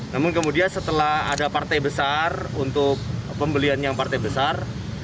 namun kemudian setelah ada partai besar untuk pembelian yang partai besar